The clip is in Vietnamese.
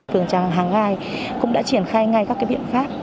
phường trang hàng ngai cũng đã triển khai ngay các biện pháp